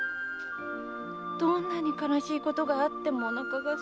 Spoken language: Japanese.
どんなに悲しいことがあってもお腹が空く。